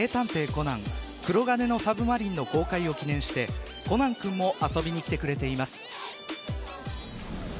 コナン黒鉄の魚影の公開を記念してコナン君も遊びに来てくれています。